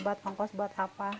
buat ongkos buat apa